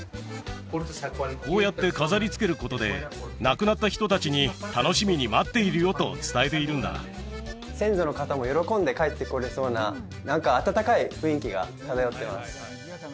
こうやって飾りつけることで亡くなった人達に楽しみに待っているよと伝えているんだ先祖の方も喜んで帰ってこれそうな何か温かい雰囲気が漂ってます